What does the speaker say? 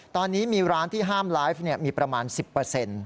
ตอนนี้มีร้านที่ห้ามไลฟ์มีประมาณ๑๐